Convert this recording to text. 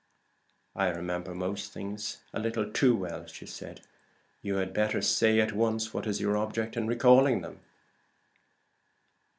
"I remember most things a little too well; you had better say at once what is your object in recalling them."